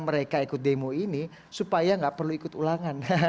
mereka ikut demo ini supaya nggak perlu ikut ulangan